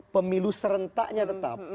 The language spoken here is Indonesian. pemilu serentaknya tetap